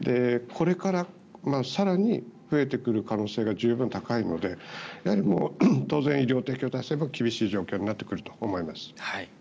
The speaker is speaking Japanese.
これから更に増えてくる可能性が十分高いので当然、医療提供体制も厳しい状況になってくると思います。